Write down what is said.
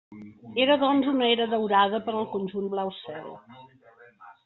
Era doncs una era daurada per al conjunt blau cel.